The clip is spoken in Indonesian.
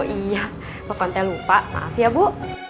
iya kok konten lupa maaf ya bu